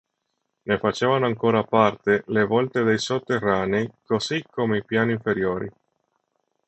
Ne facevano ancora parte le volte dei sotterranei così come i piani inferiori.